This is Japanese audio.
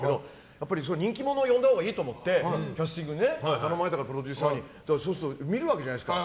やっぱり人気者を呼んだほうがいいと思ってキャスティング頼まれたからプロデューサーにそうすると見るわけじゃないですか。